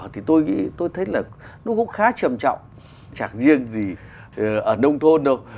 thì tôi nghĩ tôi thấy là nó cũng khá trầm trọng chẳng riêng gì ở nông thôn đâu